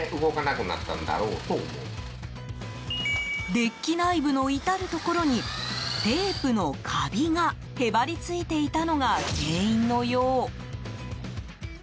デッキ内部の至るところにテープのカビがへばりついていたのが原因のよう。